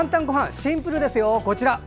シンプルですよ、こちら。